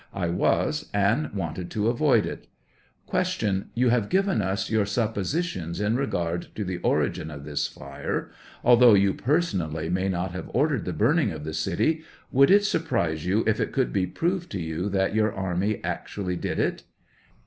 I was, and wanted to avoid it. Q. You have given us your suppositions in regard to 104 the origin of this fire ; although you personally may not have ordered the burning of the city, would it sur prise you if it could be proved to you that your army actually did it?